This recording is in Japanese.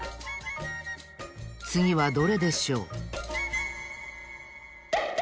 つぎはどれでしょう？